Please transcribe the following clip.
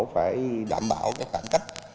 phải đảm bảo cái khoảng cách